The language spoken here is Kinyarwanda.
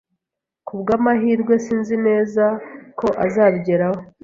Kubwamahirwe, sinzi neza ko azabigeraho